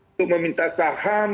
untuk meminta saham